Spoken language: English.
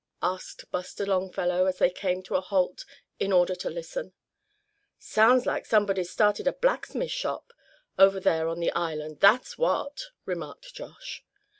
asked Buster Longfellow, as they came to a halt in order to listen. "Sounds like somebody's started a blacksmith shop over here on the island, that's what!" remarked Josh.